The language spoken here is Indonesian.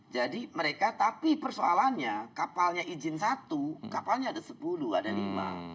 jadi mereka tapi persoalannya kapalnya izin satu kapalnya ada sepuluh ada lima